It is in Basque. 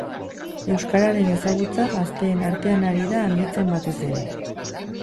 Euskararen ezagutza gazteen artean ari da handitzen batez ere.